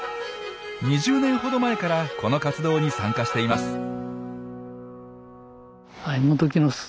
２０年ほど前からこの活動に参加しています。